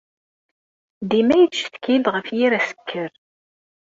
Dima yettcetki-d ɣef yir asekker.